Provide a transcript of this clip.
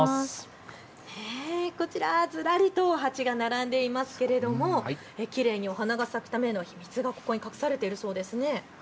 こちら、ずらりと鉢が並んでいますけれどきれいにお花がたくさん咲くための秘密がここに隠されているそうですね。